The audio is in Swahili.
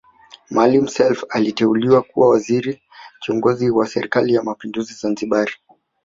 Maalim Self aliteuliwa kuwa waziri kiongozi wa serikali ya mapinduzi Zanzibari